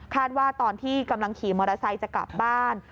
ว่าตอนที่กำลังขี่มอเตอร์ไซค์จะกลับบ้าน